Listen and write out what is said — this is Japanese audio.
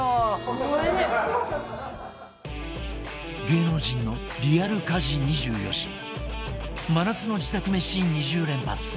芸能人のリアル家事２４時真夏の自宅めし２０連発！